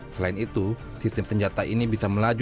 selain itu sistem senjata ini bisa melaju